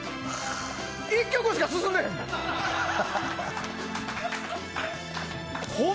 １曲しか進んでへん！